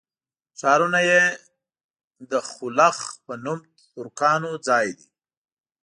ښارونه یې د خلُخ په نوم ترکانو ځای دی.